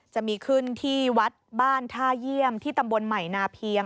จะมีขึ้นที่วัดบ้านท่าเยี่ยมที่ตำบลใหม่นาเพียง